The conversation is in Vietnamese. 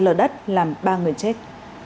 lỡ đất làm ba người chết